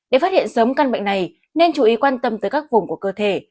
để phát hiện sớm căn bệnh này nên chú ý quan tâm tới các vùng của cơ thể